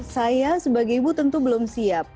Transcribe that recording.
saya sebagai ibu tentu belum siap